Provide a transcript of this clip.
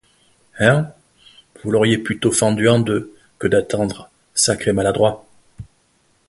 Hein? vous l’auriez plutôt fendue en deux, que d’attendre, sacrés maladroits!